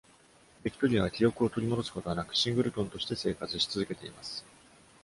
ビクトリアは記憶を取り戻すことはなく、シングルトンとして生活し続けています。